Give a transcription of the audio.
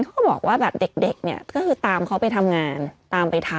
เขาก็บอกว่าแบบเด็กเนี่ยก็คือตามเขาไปทำงานตามไปทำ